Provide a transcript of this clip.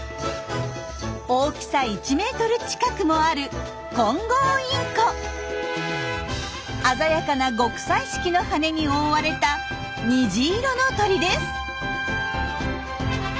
大きさ１ｍ近くもある鮮やかな極彩色の羽に覆われた虹色の鳥です。